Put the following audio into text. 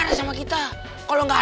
ya udah kita ke rumah